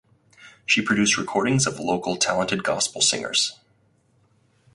She produced recordings of local talented gospel singers.